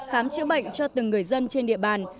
khám chữa bệnh cho từng người dân trên địa bàn